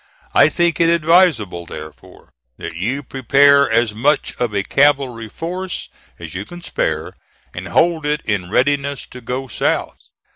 I think it advisable, therefore, that you prepare as much of a cavalry force as you can spare, and hold it in readiness to go south.